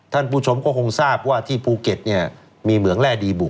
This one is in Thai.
ท่านผู้ชมก็คงทราบว่าที่ภูเก็ตเนี่ยมีเหมืองแร่ดีบุก